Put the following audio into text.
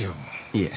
いえ。